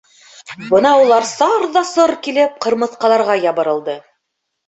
Бына улар «сар» ҙа «сор» килеп ҡырмыҫҡаларға ябырылды.